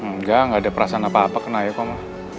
nggak gak ada perasaan apa apa ke naya kok ma